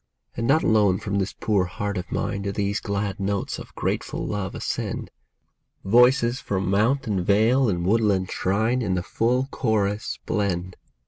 And not alone from this poor heart of mine Do these glad notes of grateful love ascend ; Voices from mount and vale and woodland shrine In the full chorus blend.